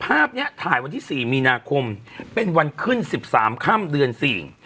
ภาพเนี้ยถ่ายวันที่สี่มีนาคมเป็นวันขึ้นสิบสามค่ำเดือนสี่